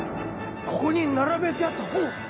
ここに並べてあった本は？